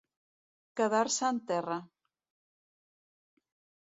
Quedar-se en terra.